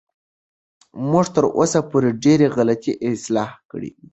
موږ تر اوسه پورې ډېرې غلطۍ اصلاح کړې دي.